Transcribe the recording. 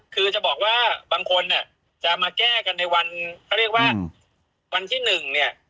คือจะบอกว่าบางคนเนี่ยจะมาแก้กันในวันเขาเรียกว่าวันที่หนึ่งเนี่ย